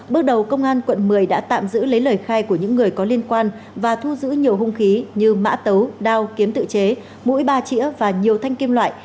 bước đầu công an quận một mươi đã tạm giữ lấy lời khai của những người có liên quan và thu giữ nhiều hung khí như mã tấu đao kiếm tự chế mũi ba chĩa và nhiều thanh kim loại